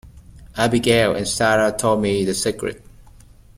Abigail and Sara told me the secret.